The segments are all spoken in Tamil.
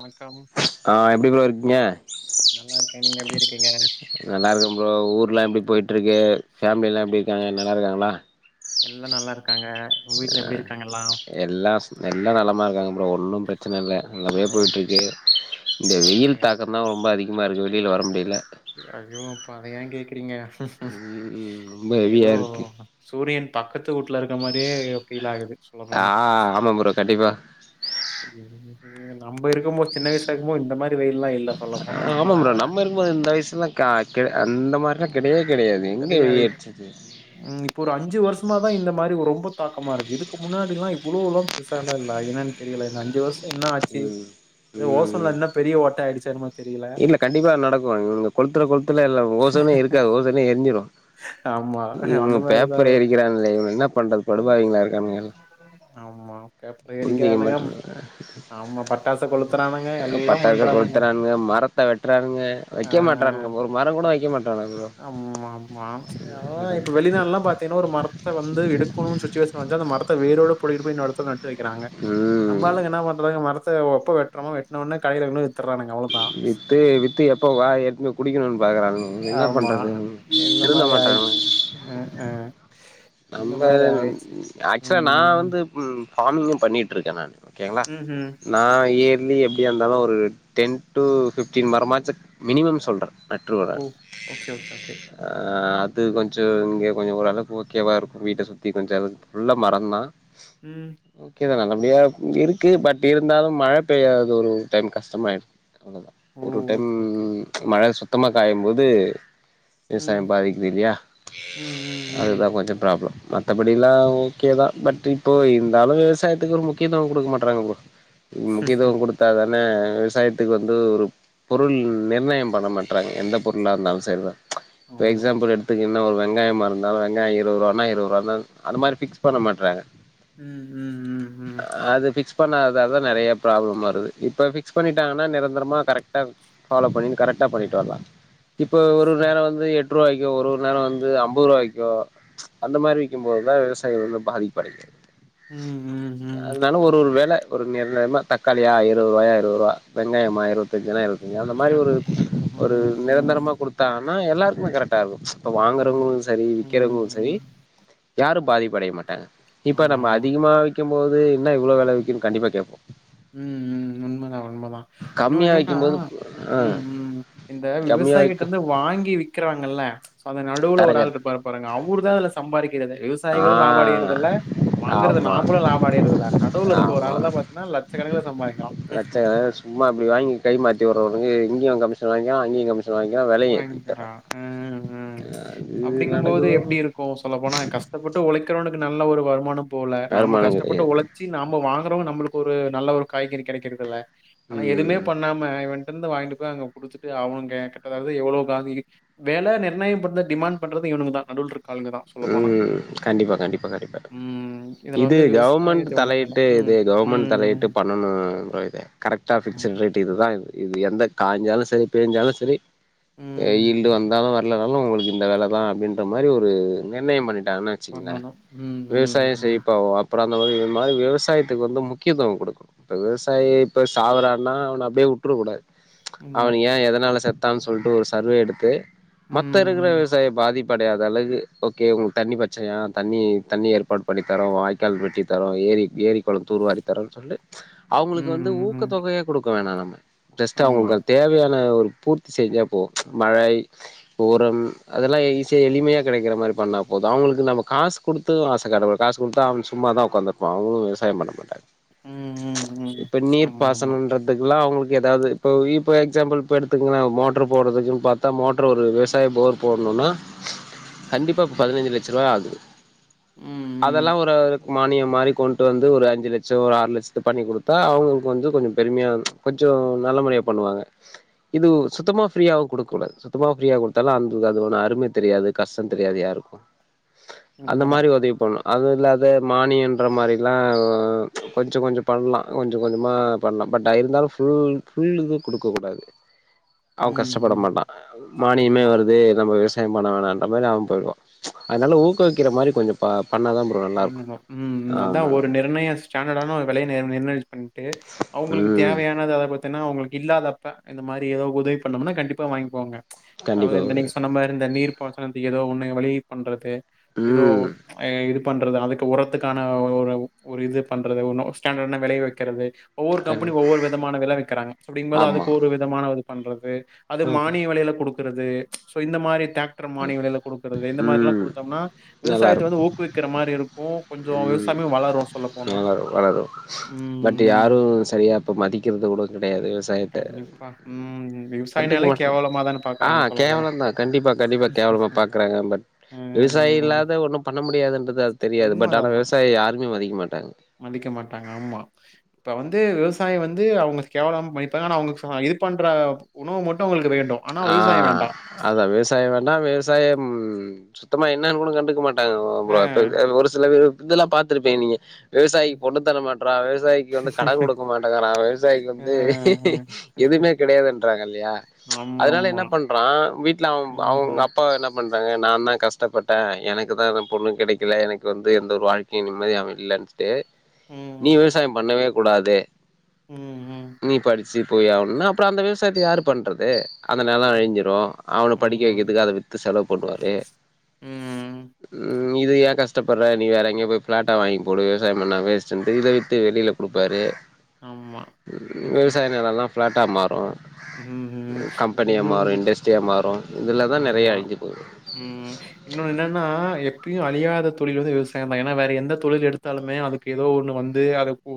வணக்கம் ஆஹ் எப்டி ப்ரோ இருக் ஞ நல்லா இருக்கேன் நீங்க எப்படி இருக்கீங்க நல்லாருக்குற ப்ரோ ஊர்ல எப்டி ருக்கே ஃபேம்லிலா எப்டி [unintelligible] நல்லா இருக்காங்ளா எல்லாம் நல்லாருக்காங்க அஹ் எல்லா எல்லா நலமா இருக்காங்க ப்ரோ ஒண்ணும் [unintelligible] பிரச்சனை இல்ல நல்ல படியா போய்ட்டு இருக்கு இந்த ஓகே வெயில் தாக்கம் தான் ரொம்ப அதிகமா இருக்கு வெளில வர முடியல அய்யோ அப்பா அத ஏன் கேக்குறீங்க ம் ரொம்ப ஏதோ ஹெவியா இருக்கு சூரியன் பக்கத்து வூட்டுல இருக்க மாரியே ஃபீல் ஆகுது சொல்ல ஆ போனா ஆமா ப்ரோ கண்டிப்பா நம்ப இருக்கும் போது சின்ன வயசா இருக்கும் போது இந்த மாரி வெயில்லாம் இல் ஆஹ் ஆமா ப்ரோ நம்ம இருக்கும்போது இந்த வயசு [unintelligible] கா கு அந்த மாதிரிலாம் கெடையவே கெடையாது எங்க வெயில் அடிச்சுச்சு இப்ப ஒரு அஞ்சு வருஷமா தான் இந்த மாரி ரொம்ப தாக்கமா இருக்கு இதுக்கு முன்னாடிலாம் இவ்வோலாம் பெரிசாலாம் இல்ல என்னான்னு தெரியல இந்த அஞ்சு வருஷம் என்ன ஆச்சு ம் ம் ஓசோன்ல ம் என்ன பெரிய ஓட்ட ஆயிடுச்சு [inaudible] இல்ல கண்டிப்பா நடக்கும் இவனுங்க கொளுத்துர கொளுத்துல இல்ல ஓசோனே இருக்காது ஓசேனே தெரிஞ்சிரும் ஆமா அந்த இவங்க மாரிதா பேப்பர் எரிக்கிறான் இவ என்ன பண்றது படுபாவிங்களா இருக்காங்க ஆமா பேப்பர் புரிஞ்சிக்க எரிக்கிறானுங்க மாட்டிங்குறாங்க ஆமா பட்டாச கொளுத்துறானுங்க எல்லா பட்டாச பண்றானுங்க கொளுத்துறானுங்க மரத்தை வெட்டுறானுங்க ஆ வெக்க மாட்டறானுங்க ஒரு மரங் கூட வெக்க மாட்டானுங்க ப்ரோ ஆமா ஆமா அதா இப்ப வெளிநாடு எல்லாம் பார்த்தீங்கன்னா ஒரு மரத்தை வந்து எடுக்கணுனு சுச்சுவேஷன் வந்தா அந்த மரத்தை வேரோட புடுங்கிட்டு போய் இன்னொரு எடத்துல நட்டு வெக்கிறாங்க ப்ரோ ம் நம்மாளுங்க என்ன பண்றாங்க மரத்த ஒப்ப வெற்றமோ வெட்னவுனே கடைல கொண்டு போய் வித்துறானுங்க அவ்ளோதா வித்து வித்து எப்ப [unintelligible] குடிக்கணுனு பாக்குறாங்க ஆமா இந்த மாரி மாட்டானுங்க ஆயிர்ச்சு உ உ [inaudible] நம்ம ஆக்சுவலா நா ம் வந்து ஃபார்மிங்கும் பண்ணிட்ருக்கே நானு ஓகேங்களா ம் ம் நா எ லி எப்டியா இருந்தாலும் ஒரு டென் டூ ஃபிஃப்டீன் மரமாச்சு மினிமம் சொல்றே ஓ ஓகே ஓகே ஓகே [unintelligible] அது கொஞ்ச ச இங்க கொஞ்ச ஓரளவு முக்கியவா இருக்கு வீட்ட சுத்தி [unintelligible] ஃபுல்லா மரந்தான் ம் ஓகேதானங்க அப்டியா இருக்கு பட் இருந்தாலு மழ பெய்யாதது ஒரு டைம் கஷ்டமாய்டு ஓ ஒரு டைம் ஓகே ஓகே மழ சு த்தமா காயம்போது விவசாயம் ம் பாதிக்குது இல்லயா ம் ம் ம் அதுதா கொஞ் ச ப்ராப்ள மத்தபடிலா ஓகேதா பட் இப்போ இருந்தாலு விவசாயத்துக்கு ஒரு முக்கியத்துவ குடுக்க மாட்றாங்க ப்ரோ உம் முக்கியத்துவ குடுத்தாதா ன விவசாயத்துக்கு வந்து ஒரு பொருள் நிர்ணயம் பண்ண மாட்றாங்க எந்த பொருளா இருந்தாலு செர் தா இப்ப ஆமா எக்ஸாம்பிள் எடுத்துக்கிங் இன்ன ஒரு வெங்காயமா இருந்தாலு வெங்காய இருவது வானா இருவதுவாதா அந்த மாரி ஃபிக்ஸ் பண்ண மாட்றாங்க ம் ம் ம் ம் அ அது ஃபிக்ஸ் பண்ணால் இதால்தா நெறையா ப்ராப்ளம் வருது இப்ப ஃபிக்ஸ் பண்ணிட்டாங்கனா நிரந்தரமா கரெக்டா ஃபாலோ பண்ணி கரெக்டா பண்ணிட்டு வர்லா இப்ப ஒரு நேர வந்து எட் எட்ருவாய்க்கு ஒரு ஒரு நேர வந்து அம்பதுருவாய்க்கு அந்த மாரி விக்கிம்போது தா விவசாய வந்து பாதிப்படையிது ம் ம் ம் ம் அதுனால ஒரு ஒரு வேல ஒரு நிர்ணயமா தக்காளியா இருபதுருவாயா இருபதுருபா வெங்காயமா இருவத்தஞ்சுனா இருவத் அந்த மாரி ஒரு ஒரு நிரந்தரமா குடுத்தா ஆனா எல்லாருக்மே கரெக்ட்டா இருக்கு இப்ப ம் ம் ம் ஆமா வாங்குறவங்களு சரி விக்கிறவ்ங்ளு சரி யாரும் பாதிப்படைய மாட்டாங்க இப்ப நம்ம ஆமா அதிகமா விக்கெம் போது என்ன இவ்ளோ வெல விக்கிதுன் கண்டிப்பா கேப் ம் ம் உண்மதா உண்மதா இன்னொன்னு கம்மியா என்னன்னா விக்கும்போது ஆ ம் ம் இந்த கம்மியா விக்கு விவசாயிங்கிட்டர்ந்து வாங்கி விக்கிறாங்கல்ல சோ அந்த நடுவுல ஒராள் தரகர் இருப்பாரு பாருங்க அவுர்தா அதுல சம்பாறிக்கிறதே ஆ விவசாயிகளு லாபொ அடையறதில்ல வாங்குறது ஆமா நாம்பளு லாபொ அடையறதில்ல நடுவுல இருக்க ஒரு ஆளுதா பாத்தீனா லக் லச்ச கணக்குல சும்மா அப்டி வாங்கி கை மாத்தி உர்றவனுங்க இங்கியு கமிஷன் வாகிக்றா அங்கயு கமி ஷன் வாங்கிறா வெல ஏத்தி வாங்கிக்கிறா. உட்டுர்றா அ, அ அப்டிங்கம் போது எப்டி இருக்கு சொல்லப் போனா கஸ்ட்டப்பட்டு ஒழைக் க்கிறவனுக்கு நல்ல ஒரு வருமானம் போல நாம வருமானம் கஸ்டப்பட்டு கெடையாது ஒழச்சி நாம வாங்குறவங்க நம்ளுக் ஒரு நல்ல ஒரு காய்கறி கெடைக்கிறதில்ல ஆனா எதுமே ம் பண்ணாம இவன் ர்ந்து வாய்ன்ட்டுபோய் அங்க குடிச்சிட்டு அவுங் கேக்க அதாவ்து எவ்வளோ [unintelligible] வேல நிர்ணயம் பண்ற டிமாண்ட் பண்றது இவனுங்கதா நடுவுல்ருக் ம் கண்டிப்பா கண்டிப்பா கண்டிப்பா ம். இதுல இது வந்து கவம்மெண்ட் விவசாயத்தை ஒண்ணுமே இல்ல. தலையிட்டு ம். இது கவம்மெண்ட் ம். ம். தலையிட்டு பண்ணணு ப்ரோ இது கரெக்ட்டா ஆமா. பிக்ஸுட் ரேட் இதுதா இது இது எந்த கா ஞ்சாலு செரி போஞ்சாலு செரி ம். வெயில்டு வந்தாலு வ ர்லனாலு உங்களுக்கு இந்த வேல தா அப்டின்ற மாரி ஒரு நிர்ணயம் பண்ணி ட்டாங்கனு வச்சுங்ளே பண்ணணும். ம். ம். விவசாயொ ம். செழிப்பாவு அப்பறொ அந்த மாத்ரி மாரி விவசாயத்துக்கு வந்து முக்கியத்துவொ குடுக்குண் இப்போ விவசாயி இப்போ சாவறானா அவன அப்டியே உட்றக்கூடாது உண்மை. அவன ஏ எதனால செத் தான் சொல்ட்டு ஒரு சர்வே எடுத்து மத்த ம். இருக்குற ம். விவசாயொ பாதிப் படையாத அளகு ஓகே உங் தண்ணி பச்சனையா தண்ணி தண்ணி ஏற்பாடு பண்ணி தரோ வாய்க்கால் வெட்டி தரோ ஏரி ஏரி கொளொ தூர்வாரி தரோன் சொல்லு அவங்களுக்கு ம். வந்து ம். ஊக்கத்தொகையா குடுக் வேணா நம்ம ஜஸ்ட் ஆமா. அவங்களுக்கு அது தேவையான ஒரு பூர்த்தி செஞ்சா போ மழை உரம் அதல் லா ஈஸியா எளிமையா கெடைக்கிற மாரி பண்ணா போது அவங்களுக்கு நமக் காசு குடுத்து ஆச காட்ட கூடாது காசு குடுத்தா அவ சும்மாதா உக்காந்துருப்பா அவங்களு விவசாயம் பண்ண மாட்டாங்க ம் ம் ம் இப்ப ஆமா ஆமா நீ்ர்ப்பாசனன்றதுக்கெல்லா அவங்களுக் எதாவ்து இப்போ இப்ப எக்ஸாம்பிள் இப்ப எடுத்துங்ள மோட்ரு போட்றதுக்குன் பாத்தா மோட்ரு ஒரு விவசாய போர் போட்ணுனா கண்டிப்பா பதினஞ்சு லட்சருவா ஆகுது ம் ம் அதல்லா ஒரு மானியம் மாரி கொண்ட்டு வந்து ஒரு அஞ்சு லட்சொ ஒரு ஆறு லட்சத்து பண்ணிக் குடுத்தா அவங்களுக்கு வந்து கொஞ்சொ பெருமையா கொஞ்சொ நல்ல முறையா பண்ணுவாங்க இது சுத்தமா ஃப்ரீயாவு குடுக் கூடாது சுத்தமா ஃப்ரீயா குடுத்தாலு அந்து அதுவோன அரும தெரியாது கஷ்டொ தெரியாது யாருக்கு அந்த உண்மதா மாரி ஒதவி பண்ணு அதுல்லாத மானியன்ற மாரில்லா கொஞ்ச கொஞ்ச பண்லா கொஞ்ச கொஞ்சமா பண்லா பட் இருந்தாலு ஃபுல் ஃபுல் இது குடுக்கக் கூடாது அவங் ம் கஷ்டப்பட ம் மாட்டா மானியமே ஆமா வருது நம்ம விவஸ் யம் பண்ண வேணான் அது மாரி அவ போய்டுவா அதனால ஊக்குவிக்கிற மாரி கொஞ்சொ ப பண்ணாதா [unintelligible] பண்ணணு ம் ம் அதா ஆமா ஒரு நிர்ணய ஸ்டாண்டடான ஒரு விலை ய நிர்ணயிச் பண்ட்டு அவ்ங்களுக்கு ம் தேவையானது அத பத் தெனா அவுங்களுக்கு இல்லாதப்ப இந்த மாரி ஏதோ உதவி பண்ணோம்னா கண்டிப்பா வாய்ங்க்குவாங்க அதாது கண்டிப்பா இந்த ப்ரோ நீங்க சொன்ன மாரி இந்த நீ்ர் பாசனத்துக்கு ஏதோ ஒன்னு வழியை பண்றது எதோ ம் அ எடு பண்றது அதுக்கு உரத்துக்கான ஒரு ஒரு இது பண்றது ஒன்னு ஸ்டாண்டர்டான வெலைய வெக்கிறது ஒவ்வொரு கம்பெனி கண்டிப் ஒவ்வொரு விதமான வில வெக்கிறாங்க அப்படிங்கும்போது ஆமா அதுக்கு ஒரு விதமான ஒரு பண்றது அது ஆமா மானிய வெலையில குடுக் கறது சோ இந்த மாரி டிராக்டர மானிய வெலையில குடுக்கறது இந்த மாரிலா ம் குடுத்தம்னா விவசாயத்த நல்லாருக்கு வந்து ஊக்குவிக் ம் போனா வளரு வளரு ம் பட் ம் யாரு சரியா இப்ப மதிக்கறது கூட கெடையாது விவசாயத்த கண்டிப்பா ம் கண்டுக்க விவசாயினாலே மாட்றா கேவலமா தான ஆ பாக்குறாங்க சொல்ல போனா கேவலந்தா கண்டிப்பா கண்டிப்பா கேவலமா பாக்குறாங்க பட் விவசாய ம் இல்லாத ஒண்ணு பண்ண [unintelligible] அது தெரியாது பட் ஆனா [unintelligible] விவசாயிய யாருமே மதிக்க மாட்டாங்க மதிக்க மாட்டாங்க ஆமா இப்ப வந்து விவஸ் சாயம் வந்து அவங்க கேவலமா மதிப்பாங் ஆனா அவங்க [unintelligible] இது பண்ற உணவு மட்டு அவங்களுக்கு வேணு ஆ அதான் விவசாயோ வேண்டா விவசாயம் சுத்தமா என்னன்னு கூட கண்டுக்க மாட் அ. [unintelligible] ஒரு சில [unintelligible] இதெல்லா பாத்துருப்பியே நீயே ம். விவசாயிக்கு பொண்ணு தர மாட்றா விவசாயிக்கு வந்து கடன் குடுக்க மாட்டங்கறா விவசாயிக்கு அ, வந்து ம். எதுவுமே கெடையாதுன்றாங்க இல்லையா ம்ச் அதனால ஆமாமா. என்ன பண்றா வீட்ல அவ அவங்க ம்ஹ்ம். அப்பா என்னப் பண் அதாங்க நா தா கஷ்டப்பட்டே எனக்கு தா எது பொண்ணு கிடைக்கல எனக்கு வந்து எந்த ஒரு வாழ்க்கையையு நிம்மதியாவு இல்லன் ஸ் டே நீ ம். விவசாயோ பண்ணவே கூடாது ம். ம். நீ படிச் ச்சி போய் ஆவணுன்னா அப்றோ அந்த விவசாயத்த யாரு பண்றது அந்த நெலோ ம். அழிஞ்சிரு அவன படிக்க ஆமா. வக்கித்துக்கு அத வித்து செலவு பண்ணுவாரே ம். ம். இது ஏன் கஷ்டப்படு்ற நீ வேற எங்கேயோ போய் ஃப்ளாட்ட வாங்கி போடு விவசாயம் பண்ணா வேஸ்ட்டுன்ட்டு இத வித்து வெளியில குடுப்பாரு ஆமா. விவசாய நிலொல்லா ஃப்ளாட்டா மாறு உம் ம் கம்பெனியா மாறு இன்னொன்னு இண்டஸ்ட்ரியா அ மாறு இதுலதா நெறைய ஆமா அழிஞ்சு போகுது ம் இன்னொன்னு என்னன்னா எப்பியோ அழியாத தொழில் வந்து விவசாயந் தா ஏனா வேற எந்த தொழில் எடுத்தாலுமே அதுக்கு ஏதோ ஒன்னு வந்து அது பு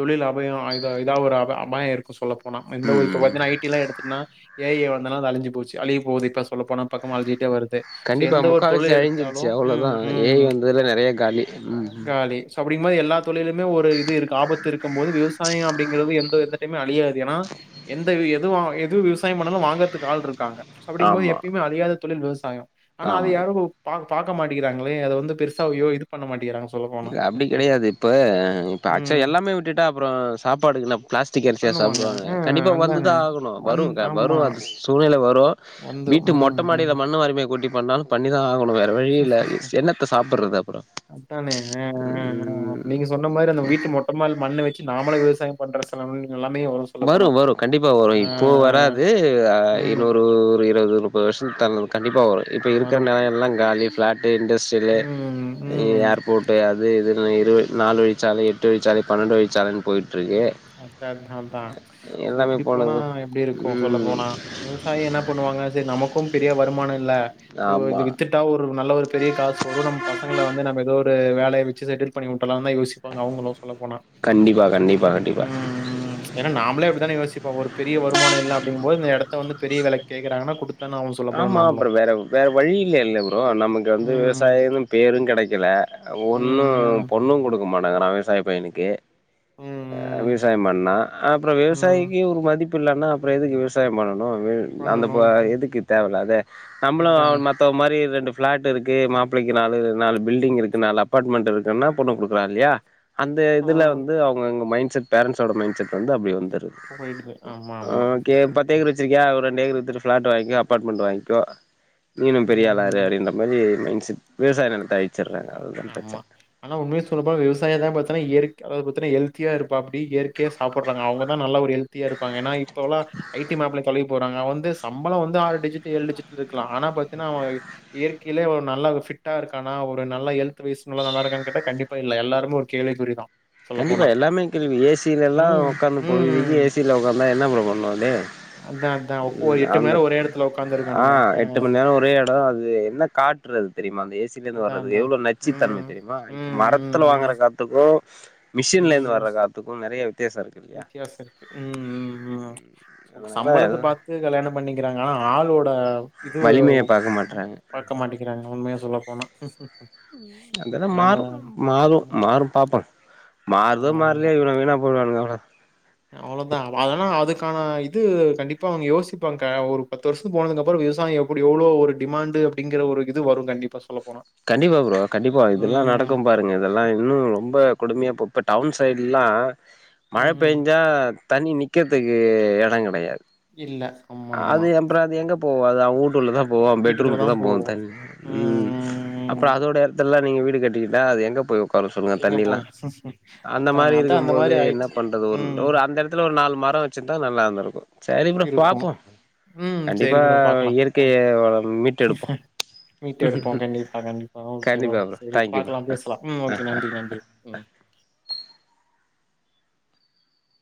தொழிலாம் பயு ஆ இத இதா ஒரு அவ பயோ இருக்கு சொல்லப் போனா எந்த ஒர் இப்ப பாத்தினா ஐ டிலா எடுத்ட்னா ஏ ஐ வந்தன அழிஞ்சு போச்சு அழிய போது இப்ப சொல்ல போனா பக்கம் அழிஞ்சிட்டே வருத் கண்டிப்பா முக்காவசி அழிஞ்சிட்ச்சு அவ்ளோதா ம், ஏ ஐ ம். வந்தத்ல நெறையா காலி உம் ம் புடிப்டிங்மோ எல்லாத் தொழிலுமே ஒரு இது இருக்கு ஆபத்துருக்கும் போது விவசாயோ அப்டிங்கிறது எந்தோ எந்த எப்பயுமே அழியாது எனா எந்த இது எது வாங் எது விவ்சாய்ம் பண்ணாலு வாங்கற்த்துக்கு ஆள்ருக்காங்க. அப்டிங்கும்போது ஆமா எப்யுமே அழியாதத் தொலில் விவசாயம் ஆனா அத ஆமா யாரோ பாக் பாக்க மாட்டிகுறாங்களே அத வந்து பெருசாவையோ இது பண்ண மாட்டிக்குறாங் இல்ல அப்டி கெடையாது இப்ப இப்ப ம். ஆக்ச்சு ம். எல்லாமே விட்டுட்டா அப்புறோ சாப்பாடுக்கு என்ன பிளாஸ்டிக் கரிசியா பண்ணுவாங்க. சாப்புடுவாங்க அ கண்டிப்பா அதானே. வந்துதா ஆகணு வரு வந் வரு ஆமா. அது சூழ்நிலை வரு போ வந்துரும். வீட்டு மொட்ட ம், ம். மாடில மண்ண வாரிமே கொட்டி பண்ணாலு பண்ணிதா ஆக னு வேற வழியே இல்ல என்னத்த சாப்பிடறது அப்புறோ ஹே ஹேன் ஹேன் ம் நீங்க சொன்ன மாரி அந்த வீட்டு மொட்ட மாடில மண்ண வெச்சி நாமளே விவசாயம் பண் டிரஸ்ஸெல்லா உண்ணி வரு வரு கண்டிப்பா வரு இப்போ அ. வராதூ ஆ ம். இன்னொரு ஒரூ இருவது முப்பத் வருஷந் தல்னூ கண்டிப்பா வரு இப்ப இருக்கிற வரும் நெலோயேல்லா காலி ஃபிளாட்டு இண்டஸ்ட்ரியலு ம் ம் ஏர்போட்டு அது இது இதுனா இது நால் வயிச்சாலை எட்டு வயிச்சாலை பன்னண்டு வயிச்சாலைன்னு ம் அதா அதா றான் சோ எல்லாமே இப்டி போனா போனது எப்டிருக்கு சொல்ல ம் போனா விவசாயிக என்ன பண்ணுவாங்க செர் நமக்கு க்கும் பெரிய வருமானோ இல்ல சரி ஒரு ஆமா இது வித்துட்டா ஒரு நல்ல ஒரு பெரிய காசு வரு. நம்ம பசங்கள வந்து நம்ம எதோ ஒரு வேலய வெச்சு செட்டில் பண்ணி இதெல்லாந்தா யோசிப்பாங்க அவங்களு சொல்ல போனா. ப்பா கண்டிப்பா கண்டிப்பா தானே யோசிப்போ. ஒரு பெரிய வருமானம் இல்ல அப்டிங்கும்போது இந்த இடத்தை வந்து பெரிய விலைக்கு கேக்கிறாங்னா குடுத் ஆமா அப்றம் வேற வேற வழி இல்லயில்லைல ப்ரோ. நமக்கு வந்து விவசாயி ம் எதும் பேரும் கெடைக்கல. ம் ஒண்ணும் ம் பொண்ணும் குடுக்க மாட் [unintelligible] விவசாயி பையனுக்கு ம் அஹ ம் விவசாயம் பண்ணான். அப்றம் ம் விவசாயிக்கி ஒரு மதிப் ப்பு இல்லன்ன அப்றம் எதுக்கு விவசாயம் பண்ணனும்? இன்னும் வேல் அந்த பண்ணணு பா எதுக்கு தேவ இல்லாத நம்மளும் அதான அவன் மத்தவ மாரி ரெண்டு பிளாட் இருக்கு. மாப்பிள்ளக்கி நாலு, நாலு பில்டிங் இருக்கு. நாலு அபார்ட்மெண்ட் இருக்குன்னா பொண்ணு குடுக்குரா இல்லையா? அந்த இதுல ம் வந்து அவங்க எங்க மைண்ட் செட் பேரண்ட்ஸோட மைண்ட செட் வந்து அப்டி வந்திரு [unintelligible] போயிடுது ஆமா ஹா ஆமா கே பத்து ஏக்கர் வச்சிருக்கியா ஒ ரெண்டு ஏக்கர் வித்துட்டு பிளாட் வாங்கி. அப்பார்ட்மெண்ட் வாங்கிக்கோ நீனும் பெரிய ஆளா இரு ம் அப்டின்ற மாரி மைண்ட செரி விவசாய நிலத்த அழி. ஆமா, ஆனா உண்மைய சொல்லப்போனா விவசாயந்தா பாத்தன்னா இயற் அதாது பத்தின ஹெல்தியா இருப் இப்ப அப்டி இயற்கையா சாப்ட்றாங்க. அவங்க தா நல்ல ஒரு ஹெல்த் த்தியா இருப்பாங்க. ஏன்னா தோழா ஐ டி மாப்பிள கழிவ் போறாங்க. வந்து சம்பளம் வந்து ஆறு டிஜிட், ஏழு டிஜிட் இருக்கலாம். ஆனா பாத்தினா இயற்கையில அவெ ஒரு நல்லா ஃபிட்டா இருக்கானா? இப்ப நல்ல ஹெல்த்வைஸ் நல்லா இருக்கானா கேட்டா கண்டிப்பா இல்ல. எல்லாருமே ஒரு கேள்விக்குறிதா. கண்டிப்பா எல்லாமே கேள்விக்குறி. ஏ சிலல்லா ம், உக்காந்து பொழுதிக்கு ம். ஏ சியில உக்காந்து என்ன என்னா ப்ரோ பண்னுனே அதான் அதான். உக்- ஒரு ம் மணி அந்த நேரம் ஒரே இடத்துல உக்காந்துருக்கானுங்க. ஆஹ் அ எட்டு ம நேரம் ஒரே இடம். அது என்ன காட்டு ட்றது தெரியுமானு ஏ சியில இருந்து அதான் வர்றது அதான். எவ்வளவு நச்சுத் தன்மை ம், தெரியுமா? இப்ப ம், ம், மரத்துல வாங்குற ம், காத்துக்கும் மிஷின்ல இருந்து வர காத்துக்கும் நெறைய வித் வித்தியாசம் இருக்கு உம் உம் உம் அதனால சம்பளத்த பாத்து கல்யாண பண்ணிக்கிறாங்க ஆனா ஆளோட் ஆஹ் இது வலிமைய பாக்க மாட்றாங்க பாக்க மாட்டேங்கிறாங்க உண்மைய சொல்ல போணா அந்த இத மாறும் மாறும் மாறும் பாப்போம் மாறுதோ ஆமா ஆமா மாற்லையோ இவன வீணா போறாங்க அவ அவ்ளோதா அதலா அதுக்கான இது கண்டிப்பா அவங்க யோசிப்பாங்க ஒரு பத்து வருஷத்து போனதுக்கு அப்புறம் விவசாயம் எப்படி எவ்ளோ ஒரு டிமாண்டு அப்படிங்கற ஒரு இது வரும் கண்டிப்பா சொல்ல போனா கண்டிப்பா ப்ரோ கண்டிப்பா இதெல்லாம் ம் நடக்கும் பாருங்க இதெல்லாம் இன்னும் ரொம்ப கொடுமையா பொப்ப டவுன் சைட்லா மழ ம் பெய்ஞ்சா தண்ணி நிக்கறதுக்கு எடம் கெடையாது இல்ல ஆமா ஆமா அது எப்புறம் அது எங்க போவாதா ஊன் டூல்லதா போவும் வீட்டுக்குள்ளதா பெட்ரூம்க்குதா போகு போவும் தண்ணி ம் ம்ம் ம் ம் அப்புற அதோட எடத்துல நீங்க வீடு கட்டிக்கிட்ட அது எங்க போயு கொற சொல்லுங்க எங்க தண்ணில்லா போய் அந்த மாரி அதான அதா இருக்கும் அந்த போது மாரி என்ன ஆயிடுச்சு பண்றது ஒரு ம் ரோ அந்த இடத்துல ஒரு நாலு மரொ வச்சிருந்தா நல்லாந்திருக்கு சரி ப்ரோ இருக்கு பாப்பும் ம் சேரி ப்ரோ பாக்கலா மீட்டெடுப்போ மீட்டு எடுப்போ கண்டிப்பா கண்டிப்பா ஓகே ப்ரோ கண்டிப்பா சரி தேங்க்யூ ப்ரோ பாக்கலா ஆ பேசலா ம் ஆ ஓகே நன்றி நன்றி ம்